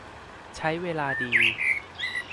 ใช้เวลาดี